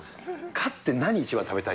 勝って何、一番食べたい？